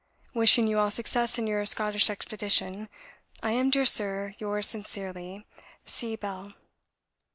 Wishing you all success in your Scottish expedition, I am, dear Sir, yours sincerely, C. BELL."